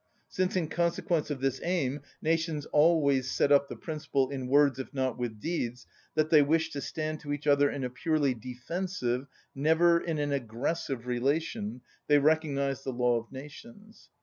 Since, in consequence of this aim, nations always set up the principle, in words if not with deeds, that they wish to stand to each other in a purely defensive, never in an aggressive relation, they recognise the law of nations.